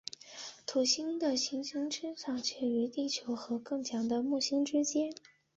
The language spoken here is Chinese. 土星的行星磁场强度介于地球和更强的木星之间。